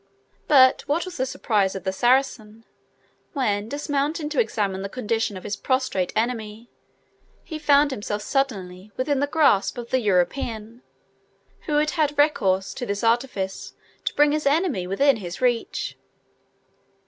But what was the surprise of the Saracen, when, dismounting to examine the condition of his prostrate enemy, he found himself suddenly within the grasp of the European, who had had recourse to this artifice to bring his enemy within his reach!